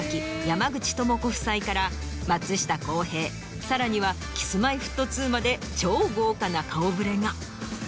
山口智子夫妻から松下洸平さらにはＫｉｓ−Ｍｙ−Ｆｔ２まで超豪華な顔ぶれが。